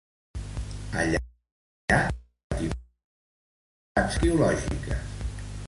Allà s'han trobat importants restes arqueològiques.